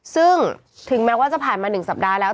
ซึ่งถึงแม้ว่าจะผ่านมา๑สัปดาห์แล้ว